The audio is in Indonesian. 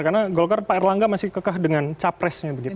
karena golkar pak erlangga masih kekah dengan capresnya begitu